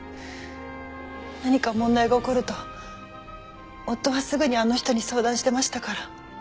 何か問題が起こると夫はすぐにあの人に相談してましたから。